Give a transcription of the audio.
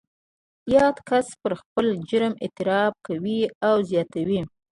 یاد کس پر خپل جرم اعتراف کوي او زیاتوي